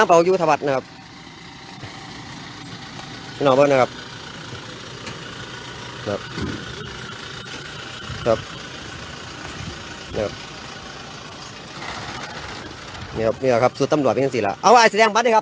นี่ครับนี่แหละครับส่วนตำรวจเป็นทั้งสี่แล้วเอาไว้แสดงบัตรนี่ครับ